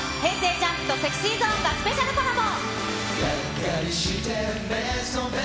ＪＵＭＰとＳｅｘｙＺｏｎｅがスペシャルコラボ。